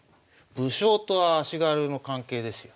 武将と足軽の関係ですよ。